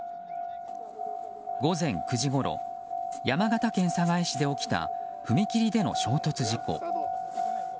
午前９時ごろ山形県寒河江市で起きた踏切での衝突事故。